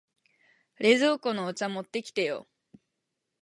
冷蔵庫のお茶持ってきてよ。